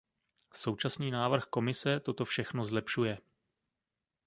Současný návrh Komise toto všechno zlepšuje.